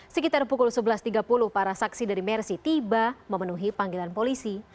sekitar pukul sebelas tiga puluh para saksi dari mercy tiba memenuhi panggilan polisi